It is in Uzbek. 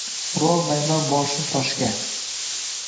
Urolmayman boshim toshga